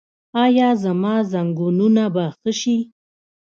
ایا زما زنګونونه به ښه شي؟